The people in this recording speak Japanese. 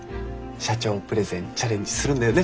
社長プレゼンチャレンジするんだよね。